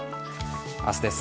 明日です。